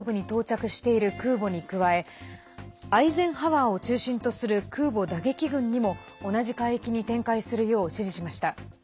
すでにイスラエルに近い地中海東部に到着している空母に加え「アイゼンハワー」を中心とする空母打撃軍にも同じ海域に展開するように指示しました。